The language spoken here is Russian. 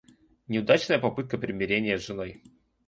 Неудачная попытка примирения с женой.